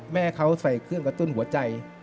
แม่เขาใส่เครื่องกระตุ้นหัวใจ